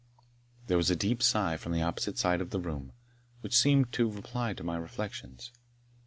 There was a deep sigh from the opposite side of the room, which seemed to reply to my reflections.